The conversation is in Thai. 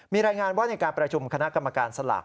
มีรายงานว่าในการประชุมคณะกรรมการสลาก